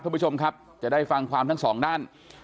คุณผู้ชมครับจะได้ฟังความทั้งสองด้าน